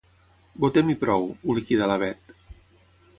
Votem i prou —ho liquidà la Bet—.